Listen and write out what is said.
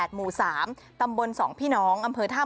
หมู่๓ตำบล๒พี่น้อง